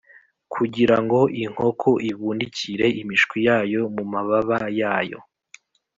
Kugira ngo inkoko ibundikire imishwi yayo mu mababa yayo